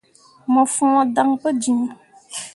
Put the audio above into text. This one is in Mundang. Mo fõo dan pu jiŋ.